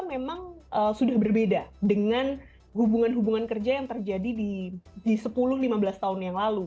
tapi jenis pekerjaan di masa sekarang itu kan memang sudah berbeda dengan hubungan hubungan kerja yang terjadi di sepuluh lima belas tahun yang lalu